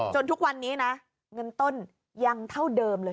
ทุกวันนี้นะเงินต้นยังเท่าเดิมเลย